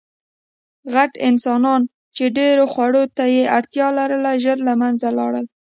غټ انسانان، چې ډېرو خوړو ته یې اړتیا لرله، ژر له منځه لاړل.